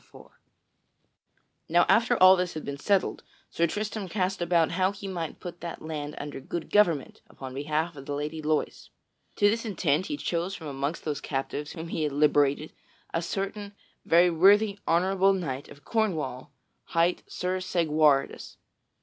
[Sidenote: Sir Tristram appoints Sir Segwarides governor of the castle] Now, after all this had been settled, Sir Tristram cast about how he might put that land under good government upon behalf of the Lady Loise. To this intent he chose from amongst those captives whom he had liberated a certain very worthy honorable knight of Cornwall hight Sir Segwarides.